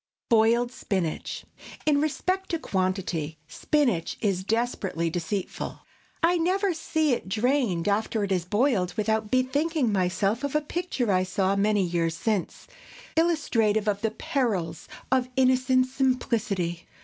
BOILED SPINACH. In respect to quantity, spinach is desperately deceitful. I never see it drained after it is boiled without bethinking myself of a picture I saw many years since, illustrative of the perils of innocent simplicity.